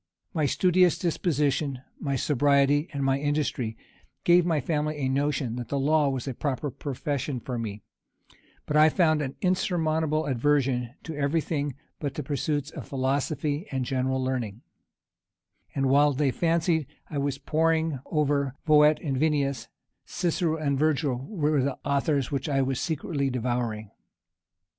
My studious disposition, my sobriety, and my industry, gave my family a notion that the law was a proper profession for me; but I found an insurmountable aversion to every thing but the pursuits of philosophy and general learning; and while they fancied I was poring upon Voet and Vinnius, Cicero and Virgil were the authors which I was secretly devouring.